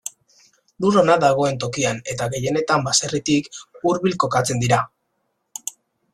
Lur ona dagoen tokian eta gehienetan baserritik hurbil kokatzen dira.